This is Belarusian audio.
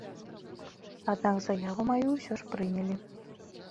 Аднак заяву маю ўсё ж прынялі.